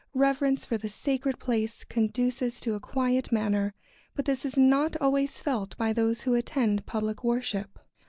Reverence for the sacred place conduces to a quiet manner; but this is not always felt by those who attend public worship.